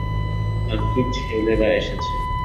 খানকির ছেলেরা এসেছে!